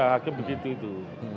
hakem begitu itu